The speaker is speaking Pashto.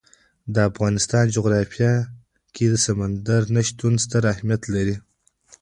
د افغانستان جغرافیه کې سمندر نه شتون ستر اهمیت لري.